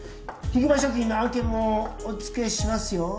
ひぐま食品の案件もお付けしますよ。